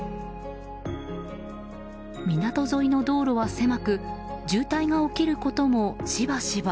港沿いの道路は狭く渋滞が起きることも、しばしば。